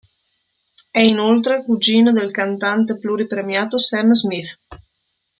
È inoltre cugino del cantante pluripremiato Sam Smith.